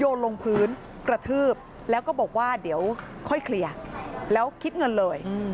ลงพื้นกระทืบแล้วก็บอกว่าเดี๋ยวค่อยเคลียร์แล้วคิดเงินเลย